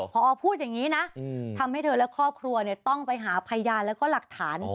พอพูดอย่างนี้นะทำให้เธอและครอบครัวต้องไปหาพยานแล้วก็หลักฐาน